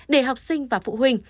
để học sinh và phụ huynh